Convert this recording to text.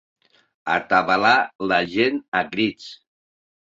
Atabalar la gent a crits.